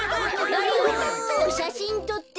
ガリホしゃしんとって。